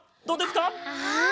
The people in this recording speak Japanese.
どうですか？